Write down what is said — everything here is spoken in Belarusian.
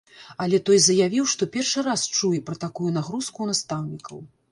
Але той заявіў, што першы раз чуе пра такую нагрузку ў настаўнікаў.